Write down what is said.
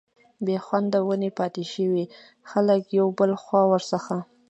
بي خونده ونې پاتي شوې، خلک يو بل خوا ور څخه